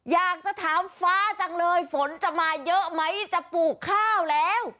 อยากจะถามฟ้าจังเลยฝนจะมาเยอะไหมจะปลูกข้าวแล้ว